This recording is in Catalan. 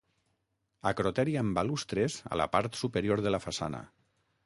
Acroteri amb balustres a la part superior de la façana.